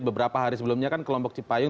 beberapa hari sebelumnya kan kelompok cipayung